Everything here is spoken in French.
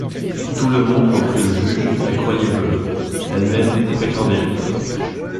Tout le monde, reprit le juge, la croyait veuve ; elle-même prétendait l'être.